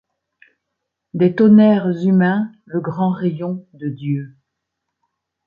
Des tonnerres humains le grand rayon de Dieu.